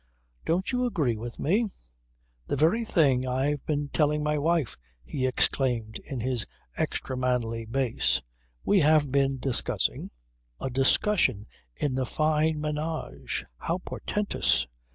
"Don't you agree with me?" "The very thing I've been telling my wife," he exclaimed in his extra manly bass. "We have been discussing " A discussion in the Fyne menage! How portentous!